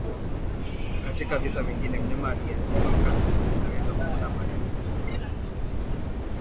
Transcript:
Katika visa vingine mnyama aliyeathirika anaweza kupona baada ya miezi kadhaa